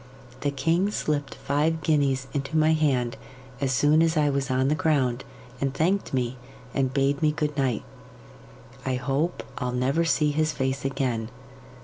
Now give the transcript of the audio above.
The king slipped five guineas into my hand as soon as I was on the ground, and thanked me, and bade me good night. I hope I'll never see his face again.